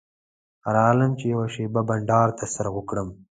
راغلم چې یوه شېبه بنډار درسره وکړم.